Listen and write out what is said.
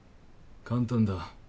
簡単だ。